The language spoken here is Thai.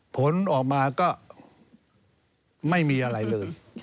ผลออกมาก็ไม่มีอะไรเลย